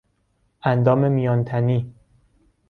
اندام میان تنی